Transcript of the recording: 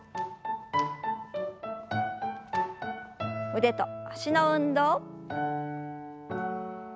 腕と脚の運動。